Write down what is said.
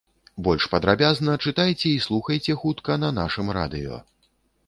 Больш падрабязна чытайце і слухайце хутка на нашым радыё.